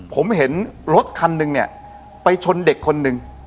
ผมเห็นรถคันหนึ่งเนี่ยไปชนเด็กคนหนึ่ง